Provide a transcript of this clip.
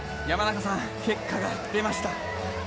山中さん、結果が出ました。